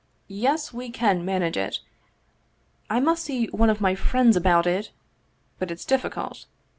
" Yes, we can manage it. I must see one of my friends about it. But it's difficult.